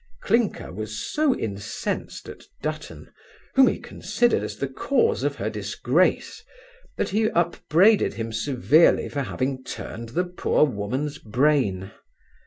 Clinker was so incensed at Dutton, whom he considered as the cause of her disgrace, that he upbraided him severely for having turned the poor woman's brain.